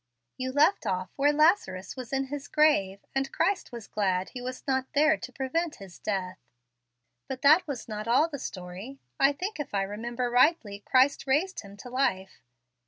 You left off where Lazarus was in his grave, and Christ was glad He was not there to prevent his death. But that was not all the story. I think, if I remember rightly, Christ raised him to life.